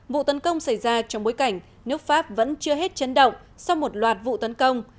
vụ tấn công xảy ra trong bối cảnh nước pháp vẫn chưa hết chấn động sau một loạt vụ tấn công